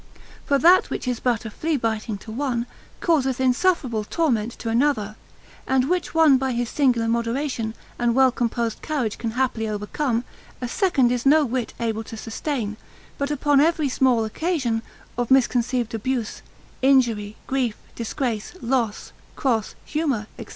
For that which is but a flea biting to one, causeth insufferable torment to another; and which one by his singular moderation, and well composed carriage can happily overcome, a second is no whit able to sustain, but upon every small occasion of misconceived abuse, injury, grief, disgrace, loss, cross, humour, &c.